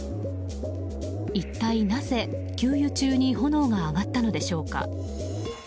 一体なぜ、給油中に炎が上がったのでしょうか。